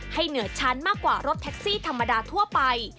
เหนือชั้นมากกว่ารถแท็กซี่ธรรมดาทั่วไป